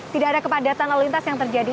tidak ada kepadatan lalu lintas yang terjadi